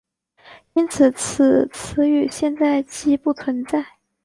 因此此词语现在几不存在。